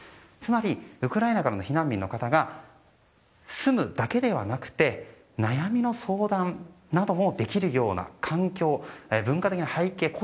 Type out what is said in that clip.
つまりウクライナからの避難民の方が住むだけではなくて悩みの相談などもできるような環境、文化的な背景